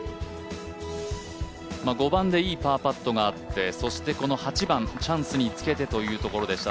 ５番でいいパーパットがあってそしてこの８番チャンスにつけてというところでした。